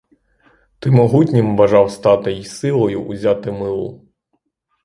Ти могутнім бажав стати й силою узяти милу.